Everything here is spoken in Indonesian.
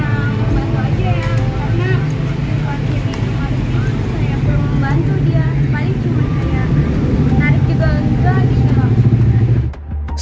paling cuma saya menarik juga juga di sini